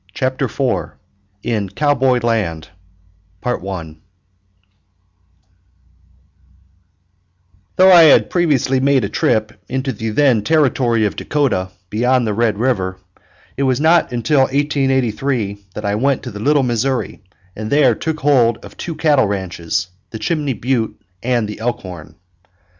CHAPTER IV IN COWBOY LAND Though I had previously made a trip into the then Territory of Dakota, beyond the Red River, it was not until 1883 that I went to the Little Missouri, and there took hold of two cattle ranches, the Chimney Butte and the Elkhorn.